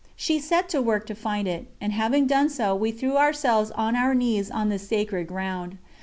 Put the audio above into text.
She set to work to find it, and having done so we threw ourselves on our knees on this sacred ground.